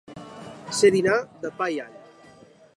Ser dinar de pa i all.